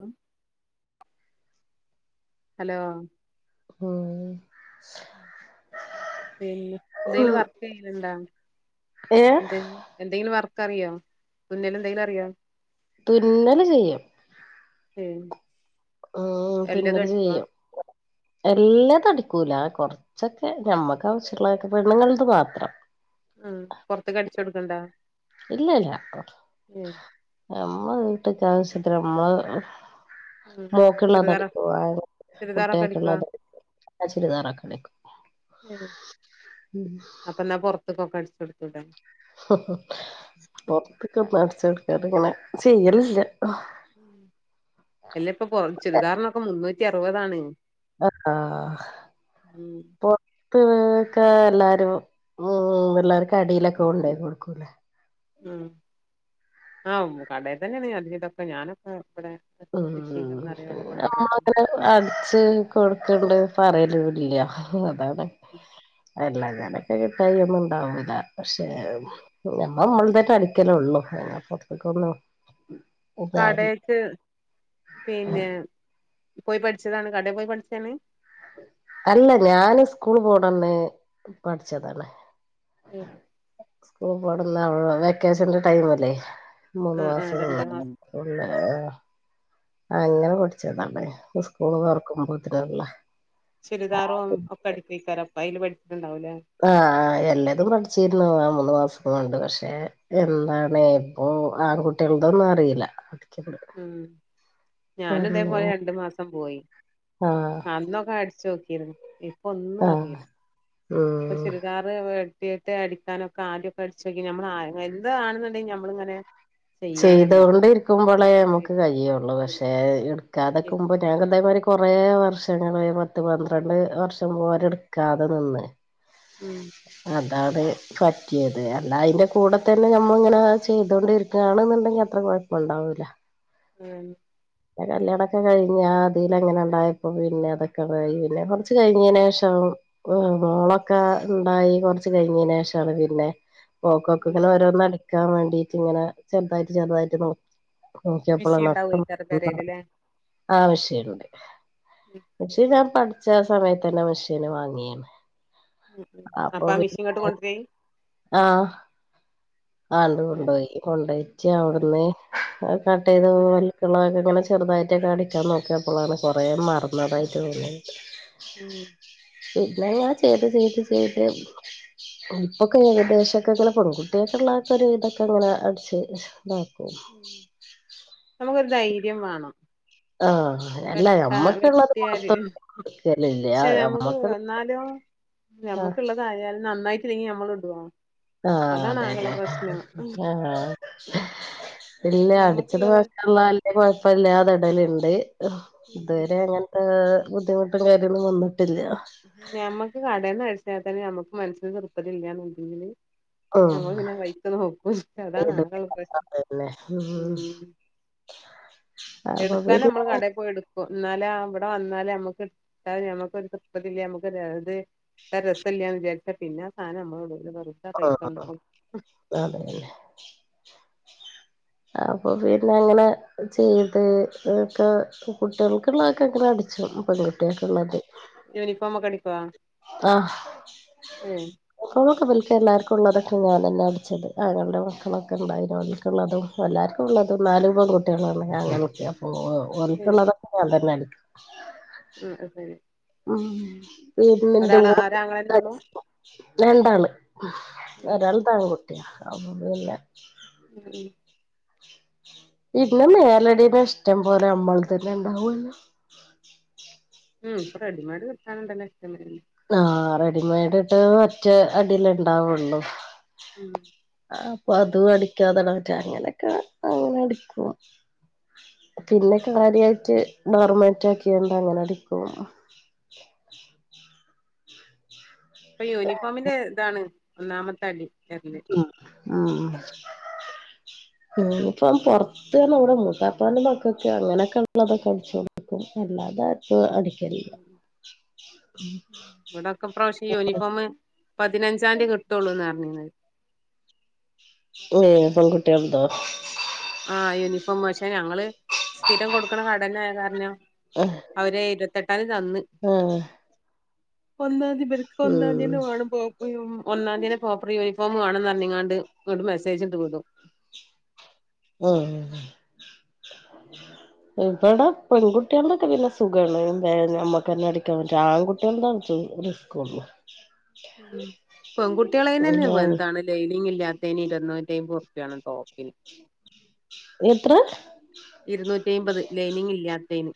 ആ ഹലോ ആഹ ഉം പിന്നെ എന്തെങ്കിലും ഉം വർക്ക് ചെയ്യലണ്ടോ ഏ എന്ത എന്തെങ്കിലും വർക്ക് അറിയാം ഒുന്നേല എന്തെങ്കിലും അറിയാം തുന്നല് ചെയ്യും ഉം ഉ തുന്നല് ചെയ്യാം എല്ലാ തടിക്കൂല കൊറച്ചൊക്കെ ഞമ്മക്ക് ആവശ്യമുള്ളതൊക്കെ പെണ്ണുങ്ങത് മാത്രം ഉം പൊറത്ത ക അടിച്ച കൊടുക്കണ്ട ഇല്ലല്ല നമ്മ വീട്ടക്ക ആവശ്യത്തിമ്മ ഉം മോക്ക ചുരിദാറോ ഉള്ളതടിക്ക ചുരിദാറൊക്കെ കുട്ടികൊക്കെ അടിക്കോ ഉള്ളതട അ ചിരിദാറ കണക്ക അപ്പൊന്നാ പുൊറത്തക്കൊക്കെ അടിച്ചെടുത്തട ഒറത്തക്ക ഒ അടച്ച കൊടുക്കാ ഇങ്ങനെ ചെയ്യല എല്ല ഇപ്പൊറ ചുരിദാറിനൊക്കെ മുന്നൂറ്റി അറുപതാണ് ആഹ ഉം പോ ഒക്കെ എല്ലാരും ഉ എല്ലാവർക്കും അടിയിലൊക്കെ ഉണ്ടായി കൊടുക്കൂലേ ഉം ആഹ കടയിൽ തന്നെ നീ അതിീതൊക്കെ ഞാനൊക്കെ ഇവിടെ ഉ സിറ്റിന്നറിയാം അവിടെ കൊണ്ടോയി കൊടുക്കല് നമ്മങ്ങനെ അലച്ച് കൊടുക്കണ്ട് പറയലൂില്ല അതാണ് അല്ലാ നക്കെ കിട്ടയൊന്നും ഇണ്ടാവൂല പക്ഷേ നഞമ്മ നമ്മൾ തന്നെ അടരിക്കലേ ഉള്ളുപ്പൊറത്തേക്ക ഒന്നു കടക്ക് പിന്നെ പോയി പഠിച്ചതാണ് കടയിൽ പോയി പഠിച്ചതെ അല്ല ഞാന് സ്കൂള് പോണംന്നെ പഠിച്ചതാണ് ഉം സ്കൂൾ പോടുന്ന അവ വെക്കേഷന്റെ ടൈമ അല്ലേ മൂന്ന് ആഹ് മാസ ആഹ് രണ്ട് മാസം ആ അങ്ങനെ പൊഠിച്ചതാണ്േ സ്കൂള് തുറക്കുമ്പോ ഇതിനള്ള ചുരിദാറും ഒക്കെ അടുപ്പക്കാരപ്പ അതില് ആഹ് എല്ലാതും പഠിച്ചിരുന്നു ആ മൂന്ന് മാസം ണ്ട് പക്ഷെ എന്താണ് ഇപ്പൊ ആൺകുട്ടികതൊന്നും അറിയില്ല പഠിക്കുന്നത് ഉം ഞാനും പെണ്ണു ഇതേപോലെ രണ്ടു മാസം പോയി ആഹ് അന്നൊക്കെ അ ചോക്കിരുന്നു ഇപ്പൊ ഒന്നും ആഹ് അറിയില്ല ഇപ്പൊ ഉം ചുരിുകാർ കുട്ടിട്ട അടിക്കാനൊക്കെ ആമൊക്കെ അടിച്ച നോക്കി നമ്മൾ എന്താണെന്നണ്ടെങ്ക നമ്മളിങ്ങനെ ചെയ്യണല്ലോ ചെയ്തൊണ്ടി ഇരിക്കുമ്പോളേ നമുക്ക് കഴിയുള്ളു പക്ഷേ അതൊക്കെുമ്പ ഞങ്ങ ഉം അതേമാതിരി കുറേ വർഷങ്ങള് പത്ത് പന്ത്രണ്ട് വർഷം പോലും എടുക്കാതെ നിന്ന് ഉം ആ അതത് പറ്റിയത് അല്ല അതിന്റെ കൂടെ തന്നെ നമ്മൾ ഇങ്ങനെ ചെയ്തൊണ്ടിരിക്കുകയാണെന്നുണ്ടെങ്കിൽ അത്ര കുഴപ്പ ഉണ്ടാവൂല ഉഹ കല്യാണൊക്കെ കഴിഞ്ഞ അതിൽ എങ്ങനെ ഉണ്ടായപ്പോ പിന്നെ അതൊക്കെ പിന്നെ കുറച്ച് കഴിഞ്ഞതിനന് ശേഷം ് നോളൊക്കെ ഉണ്ടായി കുറച്ച് കഴിഞ്ഞതിനന് ശേഷമാണ് പിന്നെ പോക്കോക്ക ഉം ഇങ്ങനെ ഓരോന്ന് നാൻ വേണ്ടീട്ട് ഇങ്ങനെ ചെറുതായിട്ട് ചെറുതായിട്ട് നോി നക്കപ്പള മിഷീൻ നഷ്ടം ഉണ്ടാവോയ്ക്കാരം പെരേല് ല്ലേ ആവശ്യുണ്ട് പക്ഷേ ഞാ പഠിച്ച സമയത്ത് തന്നെ മെഷീന് വാങ്ങിയാണ് ഉ ഉ അപ്പൊ ആ മിഷീ ഇങ്ങോട്ട് കൊണ്ടര ആഹ ആണ്ട് കൊണ്ടുപോയി കൊണ്ടോയിച്ച് അവിടുന്ന് കട്ട് ചെയ്ത ഉം വലക്കളൊക്കെ ഇങ്ങ ചെറുതായിട്ടൊക്കെ അടിക്കാൻ നോക്കിയപ്പോളാണ് കുറേ മറന്നതായിട്ട്ോന്നത് ഉം പിന്നെ ഞാൻ ചെയ്ത് ചെയ്ത് ചെയ്ത് ഇപ്പൊക്കെ ഏകദേശംൊക്കെങ്കിലെ പെൺകുട്ടികൾ മുള്ളക്ക ഒരു ഇതൊക്കെ ഇങ്ങെ അടിച്ച് ഇതാക്കും ധൈര്യം വേണം ആഹ് അല്ല വെട്ട ഞമ്മക്കുള്ളത് വെട്ടിയല് പുറത്ത് കൊടുക്കലില്ല പക്ഷെ നമുക്ക് ഞമ്മക്ക് വന്നാലും ആഹ് ഞമ്മുക്കുള്ള കാര്യാലം നന്നായിട്ട ഇങ്ങി നമ്മള ഇടുവാണം ആഹ അതെല്ലേ ആഹ ഇല്ല അടിച്ചത് ഞമ്മക്കുള്ളത് വക്കുള്ള കുഴപ്പ ഇില്ലാത ഇടലുണ്ട് ഉം ഇതുവരെ അങ്ങനത്തെ ബുദ്ധിമുട്ടും കാര്യങ്ങളും വന്നിട്ട് മ്മക്ക് കടന്ന അഴിച്ചാത്ത ഞമ്മുക്ക് മനസ്സിന് ചെറുപ്പത ഇല്ലന്നുണ്ടെങ്കില് ഉം നമ്മൾ പിന്നെ കഴത്ത നോക്കും അതാണ് താങ്കൾ പ്രശ്നം അതന്നെ ഉം അപ്പൊ എടുക്കൻ പിന്നെ നമ്മള് കടയിൽ പോയി എടുക്കും എന്നാല അവിടെ വന്ന എന്ന നമക്ക് നക്ക ഇപ്പല്ല നമുക്ക്ത് രസംമല്ലന്ന് വിചാരിച്ച പിന്നെ സാനം നമ്മോട് ഇ വെറുതാ കഴിക്കണ്ടപ്പ അതന്നെ അപ്പൊ പിന്നെ അങ്ങനെ ചെയ്ത് ഇതൊക്കെ കുട്ടികൾക്കുള്ളതൊക്കെ എങ്ങനെ അട പങ്ക യൂനിഫർമ കടിക്ക ആഹ് ഏഹ് കൊണക്ക ബ ഒ എല്ലാവർക്കും ഉുള്ളതൊക്കെ ഞാൻ തന്നെ അടിച്ചത് ആങ്ങളുടെ മക്കളൊക്കെ ഉണ്ട് അതിനോതിക്കുള്ളതും എല്ലാവർക്കുള്ളതും നാൂപ കുട്ടികള ഞാ അപ്പൊറക്കുള്ളതൊക്കെ ഞാൻ തന്നെ അടിക്കും ആ ശരി ഉ പിന്ന് ഒരാള ഒരാങ്ങളെന്നെ എന്ത ഉള്ളൂ രണ്ടാള് ഉം രണ്ടാണ് കുട്ടിയ അ പിന്നെ ഉം ഇന്ന മേലടനെ ഇഷ്ടം പോലെ അമ്മൾ തന്നെ ഇണ്ടാവൂല്ല ഉം ഇപ്പൊ റെഡ മാി വിടുത്താനണ്ട നെ എഷ്ടമെ ആഹ റെഡിമെയഡ് ഇട്ട് മറ്റേ അടിൽ ഇണ്ടാവുള്ളു ഉം ആ അപ്പൊ അതും അടിക്കാതട പറ്റ അങ്ങനെയൊക്കെ അങ്ങനെ അടിക്കും പിന്നെ കാര്യായിട്ട് നോർമേറ്റ ആക്കിയണ്ട് അങ്ങനെടക്കും [inaudible] ഉ ഇപ്പൊ യൂണിഫോമിന്റെ ഇതാണ് ഒന്നാമത്തെ അടി എറില് ഉ ഉ ഇനി ഇപ്പ പുറത്തന്ന അവിടെ മൂക്കാപ്പാണ്ട് മക്കക്കെ അങ്ങനെയൊക്കെ ഉള്ളതൊക്കെ അളിച്ചു കൊടുക്കുംല്ലാ അതായിട്ടും അടിക്കില്ല ഇവിടൊക്കെ പ്രാവശേ യൂണിഫോം പതിനഞ്ചാംീയ കിട്ടുള്ളൂന്ന് പറഞ്ഞിുന്നത് ഏ പെൺകുട്ടിയാവതോ ആഹ യൂണിഫോം വശാ ഞങ്ങള് സ്ഥിരം കൊടുക്കണ കടന ആ കാരഞ്ഞോ അവര് ഇരുപത്തെ എട്ടന് തന്ന് ആഹ് ഒന്നാംതി പർക്ക് ഉം ഒന്നാംന്നെ വണ പോയും ഒന്നാം തീയെ പ്രോപ്പർ യൂണിഫോം വേണംന്ന്ഞ്ഞ ഇങ്ങാണ്ട് ഇങ്ങോട്ട് മെസ്സേജ്ണ്ട് പോതുും ഉം ഉ ഇവിടെ പെൺകുട്ടികൾൊക്കെ പിന്നെ സുഖമാണ്ഞമ്മുക്ക്ന്നെ അടിക്കാൻ പറ്റ ആൺകട്ടികൾാണ് സുഖം റിസ്ക പെൺകുട്ടികളെ തെ തന്നെ ഇ ഞാന് എന്താണ് ലൈനിങ് ഇല്ലാത്തതിന് ഇരുന്നൂറ്റിമ്പത് ഉറുപ്പ്യ ആാണ് ടോപ്പിൽ എത്ര ഇരുന്നൂറ്റി അമ്പത് ലൈനിങ് ഇല്ലത്തേന്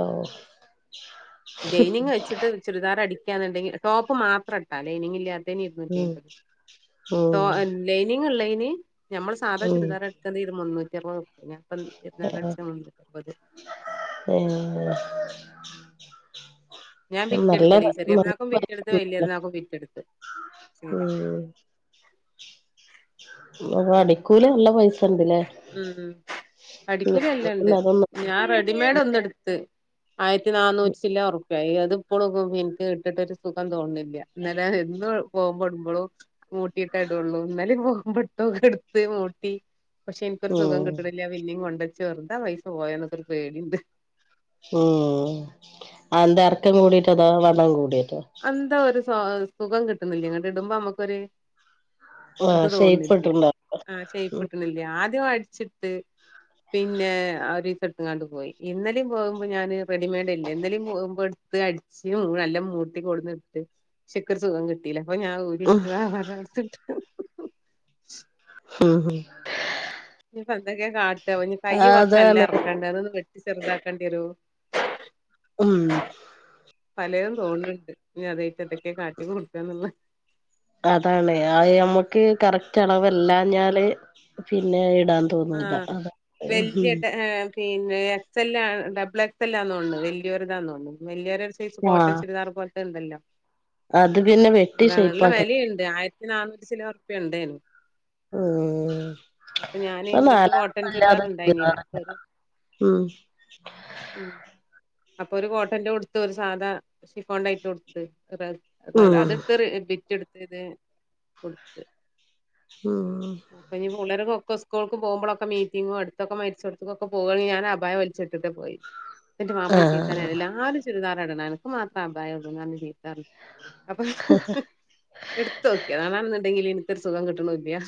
ഓഹ് ലൈനിങ് വച്ചിട്ട് ചുരിദാർ അടിക്കുണ്ടെങ്കിൽ ടോപ്പ് മാത്രം ഇട്ടാ ലൈനിങ് ഇല്ലാ ഇരുന്നൂറ്റി ഉം അമ്പത് തോ ഉം ലൈനിംഗ് ഇള്ളതിന് ഞമ്മൾ സാധാ ഉം ചുരിദാർ എടുക്കുന്നത് മുന്നൂറ്റി അറുപത് റുപ്യ അപ്പം പെരുന്നാക്ക് ഏഹ് അടിച്ച മുന്നൂറ്റി അറുപത് ഞാൻ നല്ല ബിറ്റെടുക്കല് ഈ ചെറിയ നല്ല പെരുന്നാക്കും ബിറ്റെടുത്ത് വലിയ പെരുന്നാക്കും ബിറ്റെടുത്ത് മ്മ് അപ്പൊ അടിക്കൂല് നല്ല പൈസ മ്മ് അടിക്കൂലി നല്ലാംണ്ട് പിന്നെ അതൊന്നും ഞാൻ റെഡി മെയ്ഡ് ഒന്നെടുത്ത് ആയിരത്തി നന്നൂറ്റി ചില്ല ഉറുപ്യയായി ഇതിപ്പോഴും എനിക്ക് ഇട്ടിട്ടരു സുഖം തോന്നില്ല ഇന്നലെ എന്ന് പോകുമ്പടുമ്പോഴും മൂട്ടിയിട്ട ഇടുള്ളൂ എന്നാലേ പോകൻ പെട്ടോ എടുത്ത് മൂട്ടി പക്ഷെ എനിക്കൊരു സുഖം ഉം കിട്ടണില്ല അവ ഇന്നും കൊണ്ട് വെച്ച് വെറുതാ പൈസ പോയന്നൊക്കെരു പേടിയുണ്ട് മ്മ് അതെന്താ ഇറക്കം കൂടി ട്ടോ അതോ വണ്ണം കൂടിയതോ എന്താ ഒരു സൊ സുഖം കിട്ടുന്നില്ല ഇങ്ങട്ട് ഇടുമ്പോ നമ്മുക്കൊരു ഇത് ആഹ് തോന്നില്ല ഷേപ്പ്ട്ട്ണ്ടോ ആഹ് ഷെയ്പ്പ് കിട്ടണില്ല ആദ്യം അടിച്ചിട്ട് പിന്നെ ആ ഒരു സം ഇട്ട്കാണ്ട് പോയി ഇന്നെലും പോകുമ്പോൾ ഞാന് റെഡിമെയഡ് ഇല്ല ഇന്നെലും പോകുമ്പോ അടിച്ച് മൂ നല്ല മൂ കൊണ്ട് ട്ട് പക്ഷേ എനിക്ക് ഒരു സുഖം കിട്ടിയില്ല അപ്പ ഞാൻ ഉം ഊരിച്ചിട്ട് വേറൊ ഒരുന്ന് എടുത്തിട്ട് മ്മ് മ്മ് എന്തൊക്കെ കാട്ട കൈയ് കുറച്ച് നല്ല അതാണ് ഇറക്കണ്ട് അതൊന്ന് വെട്ടി ചെറുതാക്കണ്ടി വരും മ്മ് എല്ല തോന്നുന്നുണ്ട് ഇനി അതൊക്കെ എന്താ കാട്ടി കൊടുക്കാന്നുള്ള അതാണ് ആ ഞമ്മക്ക് കറക്റ്റ് അളവല്ല ഞാല് പിന്നെ ഇടാൻ തോന്നൂല ആഹ് അതാ വലിയ ഉം പിന്നെ സെല്ലാണ് ഡബിൾ എക്സെല്ലാന്നോണ് വലിയൊരിതാണണ് വലിയോരുടെ ഒരു സൈസ് കോട്ടൺ ആഹ് ചുരിദാർ പോലത്തെ ഉണ്ടല്ലോ അത് പിന്നെ വെട്ടി അതാണ് ഇള്ള ഷേപ്പാക്കി വിലയുണ്ട് ആയിരത്തി ഇണ്ടെനു നാനൂറ്റി ചില്വാനം ഉറുപ്പിയ യുണ്ടായിരുന്നു അപ്പൊ ഞാന് എന്റെടുത്ത് കോട്ടൺ ചുരിദാർ ഉണ്ടായിനില്ല അപ്പൊ ഒരു [unintelligible] ഉം മ്മ് അപ്പൊ ഒരു കോട്ടന്റെ ഉടുത്ത് ഒരു സാധാ ഷിഫോണായിട്ട് ഉടുത്ത് [unintelligible] ഉം അത് എടുത്ത് ത് കൊടുത്ത് ഉം അപ്പ ഇനി പിള്ളേരെ [unintelligible] പോക്പോഴൊക്കെ മീറ്റിങ്ങും അടുത്തക്കെ മരിച്ച കൊടുക്കൊക്കെ പോകുകെ ഞാൻ അഭായ വലിച്ചിട്ട് പോയി എന്റെ മാപ്പള ചീത്താ പറഞ്ഞു ആഹ് ആ എല്ലാരും ചുരിദാർ ഇടണെ അനക്ക് മാത്രം അഭായട്ണ പറഞ്ഞ് ചീത്ത പറഞ്ഞു അപ്പൊ എടുത്ത് നോക്കി അതാണ്ണ് ന്ന്ടെങ്കിൽന് എനിക്കൊരു സുഖം കിട്ടണല്ലയാ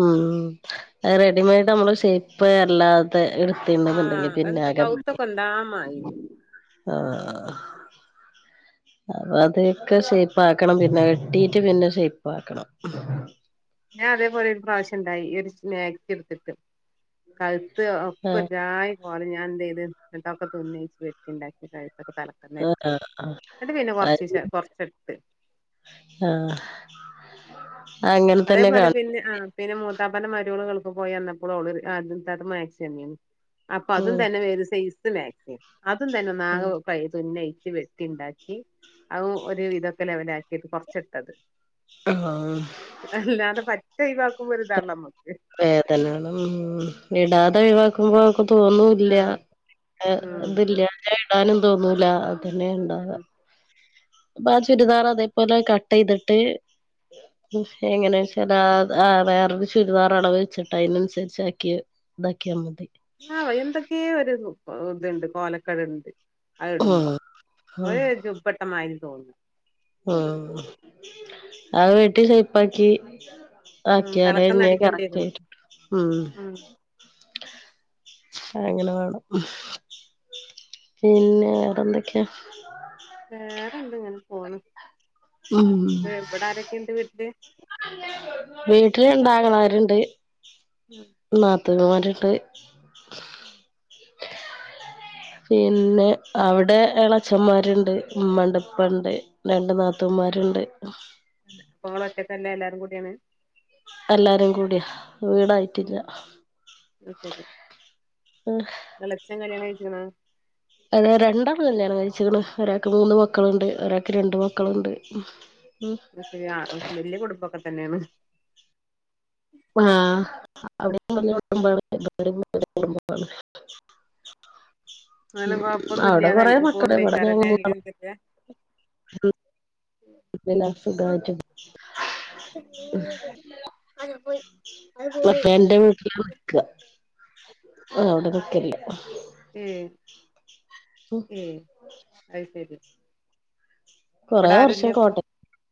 മ്മ് റെഡിമെയഡ് നമ്മള് ഷേപ്പ് അല്ലാതെ തിന്നുന്നുണ്ടെങ്കി പിന്നെ ആഹ് ആകെ പണി കൗത്തൊക്കെ എന്താ മാതിരി ആഹ് അപ്പൊ അതൊക്കെ ഷേപ്പ് ആക്കണം പിന്നെ വെട്ടിട്ട് പിന്നെ ഷേപ്പ് ആക്കണം ഞാൻ അതേപോലെ ഒരു പ്രാവശ്യം ഇണ്ടായി ഈ ഒരു മക്സി എടുത്തിട്ട് കഴ്ത്ത് ധ് ഒക്കെ ആഹ് ഒരു ജായി പോലെ ഞാൻ എന്ത് ചെയ്ത് എന്ന്ട്ടൊക്കെ തുന്നയിച്ച് വെട്ടിയുണ്ടാക്കി ക്കെ തല തന്നെ അടിച്ച് ആഹ് ആഹ് എന്നട്ട് പിന്നെ ആഹ് കൊറച്ച് കൊറച്ചെടുത്ത് ആഹ് അങ്ങനെ തന്നെ അതേപോലെ കാണും പിന്നെ ആഹ് പിന്നെ മൂത്താപ്പാൻ്റെ മരുമോള് ഗൾഫിൽ പോയിന്നപ്പോ ഓള് അത് മാക്സി തന്നീനു അപ്പൊ ഉം അതും തന്നെ വേറെ സൈസ് മാക്സി അതും തന്നെ ഒന്നാ ഉം തുന്നയി വെട്ടി ഉണ്ടാക്കി അത് ഒരു ഇതൊകേ ലെവലാക്കിട്ട് കൊറച്ചിട്ടത് ആഹ് അല്ലാത പറ്റ ഒഴിവ വേദന ഉ ഇടാതെ ഒഴിവാക്കുമ്പോ തോന്നൂില്ല ആഹ് ഉം ഇതില്ല ഇടാനും തോന്നൂല തന്നെ ഉണ്ടാവ ഉം അപ്പ ആ ചുരിദാർ അതേപോലെ കട്ട് ചെയ്തിട്ട് എങ്ങനെ ചെ ആ വേറൊരു ചുരിദാർ അളവ്െച്ചിട്ടാ അതിനനുസരിച്ച ആക്കി ഇതാക്കിയാൽ മതി ആ എന്തൊക്കെയെഓരു ഇതുണ്ട് കോലക്കട് ഉണ്ട് അത് ഉം ഇടുമ്പം ഒരു ജുപ്പട്ടമാതിരി തോന്നുന്നു ഉ ആ വെട്ടിൽ ഷെയിപ്പാക്കി ഉം ആക്കിയാലേ തലക്കന്ന് ഇഞ്ഞങ്ങ് അടിക്കേണ്ടി കറക്റ്റ് വരും ആയിട്ടു കിട്ടെള്ളു ഉം അങ്ങനെ വേണം പിന്നെ വേറെന്തൊക്കെയാ വേറെന്ത ഇങ്ങനെ പോണ് ഉം ഇവിടൊരൊക്കെ ഇണ്ട് വീട്ടില് വീട്ടില് രണ്ടാങ്ങള്ളരുണ്ട് ഉം ണുമ്മ മാറ്റയിട്ട് [inaudible] പിന്നെ അവിടെ യാള അഛന്മാരുണ്ട് ഉമ്മ ഉണ്ട്പ്പ ഉണ്ട് രണ്ട് നാത്തൂമാരുണ്ട് ഉണ്ട് പോള ഒറ്റക്കല്ല എല്ലാരും കൂടിയാണ് എല്ലാരും കൂടിയാ വീടായിട്ടില്ല അെ ഇളച്ചം കല്യാണം കഴണോ അത രണ്ടാ തല്ലാണ് കഴിച്ചണ് ഒരാക്ക് മൂന്ന് മക്കളുണ്ട് ഒരാൾക്ക് രണ്ടു മക്കളുണ്ട് ഉ അത് ശരി ആ വല്യ കുടുംബൊക്കെ തന്നെയാണ് ആഹ അവിടെ പറടുമ്പ എടുമ്പ അല്ലും കൊഴപ്പൊന്നുംല്ല അവിടെ അത കൊറേ മക്കള് പോണ്ട ഇവിടെ ഞങ്ങള് വക്കാറല്ലെന എന്തക്ക [inaudible] സുഖമായിട്ടും അത് പോയി അത് പോയി പക്ഷേ എന്റെ വീട്ടില് വിക്ക അവിടെ വക്കില്ല ഏ ഏ അത് ശരി കൊറേ ഇവിടെ ആരുല്ല വർഷം അപ്പൊ കോട്ടെ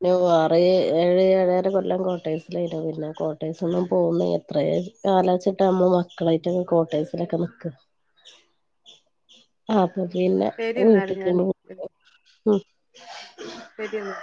ഞാൻ വാറ് ഏഴ് ഏഴര കൊല്ലം കോട്ടയസിലായിരുന്നു പിന്നെ കോട്ടയസ നിന്നും പോകുന്ന എത്രയും കാലഴ്ച്ചിട്ട്കുമ്പോ മക്കളായിട്ട്ൊ കോട്ടേസിലൊക്കെ നക്കുക [inaudible] ആപ്പൊ പിന്നെ ശരി എന്നാല് വീട്ടക്ക് ഞാൻ ശരിന്ന